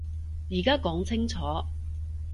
而家講清楚